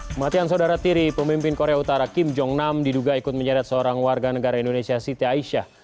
kematian saudara tiri pemimpin korea utara kim jong nam diduga ikut menyeret seorang warga negara indonesia siti aisyah